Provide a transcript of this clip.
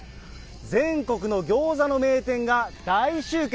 全国のギョーザの名店が大集結。